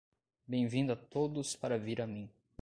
Bem-vindo a todos para vir a mim.